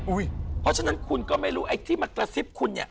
เพราะฉะนั้นคุณก็ไม่รู้ไอ้ที่มากระซิบคุณเนี่ย